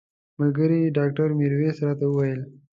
ملګري ډاکټر میرویس راته وویل.